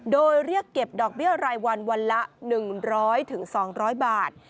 โดยเรียกเก็บดอกเบี้ยรายวันวันละ๑๐๐๒๐๐บาท